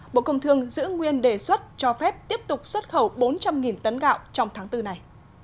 bộ công thương giữ nguyên đề xuất cho phép tiếp tục xuất khẩu bốn trăm linh tấn gạo trong tháng bốn này